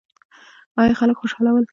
ایا خلک خوشاله ول؟